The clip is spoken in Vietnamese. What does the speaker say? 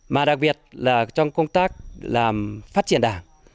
mà đặc biệt là trong công tác làm phát triển đảng